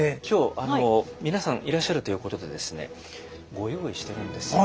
今日皆さんいらっしゃるということでご用意してるんです。